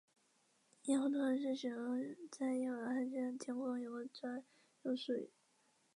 夜空通常是用来形容在夜晚看见的天空的一个专用术语。